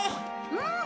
うん！